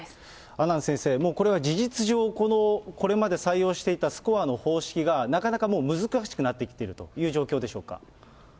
阿南先生、もうこれは事実上、これまで採用していたスコアの方式が、なかなかもう、難しくなってきているという状況でしょうか。